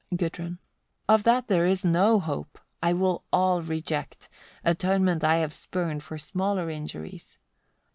Gudrun. 67. Of that there is no hope; I will all reject; atonement I have spurned for smaller injuries.